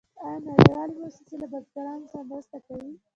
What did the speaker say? آیا نړیوالې موسسې له بزګرانو سره مرسته کوي؟